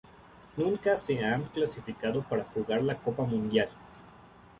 Nunca se han clasificado para jugar la Copa Mundial.